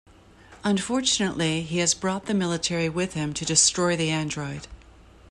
Unfortunately, he has brought the military with him to destroy the android.